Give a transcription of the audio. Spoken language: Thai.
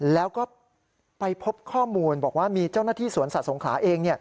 แล้วก็ไปพบข้อมูลบอกว่ามีเจ้าหน้าที่สวนสัตว์สงขลาเอง